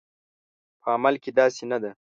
په عمل کې داسې نه ده